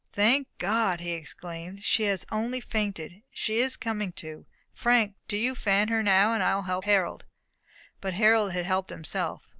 "Thank God!" he exclaimed, "she has only fainted! she is coming to! Frank, do you fan her now and I will help Harold." But Harold had helped himself.